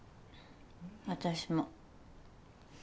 私も。